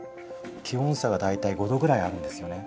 気温差がだいたい５度ぐらいあるんですよね。